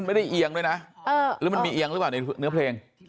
เอียงด้วยนะหรือมันมีเอียงหรือเปล่าในเนื้อเพลง